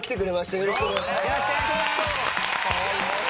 よろしくお願いします！